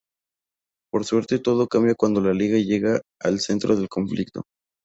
Por suerte todo cambia cuando la Liga llega al centro del conflicto.